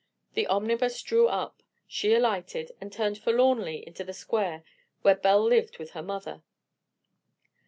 The omnibus drew up, she alighted and turned forlornly into the square where Belle lived with her mother.